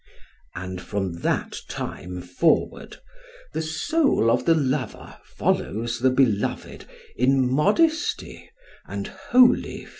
And from that time forward the soul of the lover follows the beloved in modesty and holy fear."